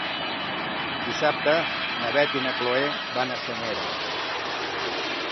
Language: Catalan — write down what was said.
Dissabte na Beth i na Chloé van a Senyera.